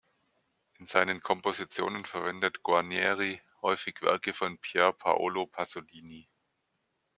In seinen Kompositionen verwendet Guarnieri häufig Werke von Pier Paolo Pasolini.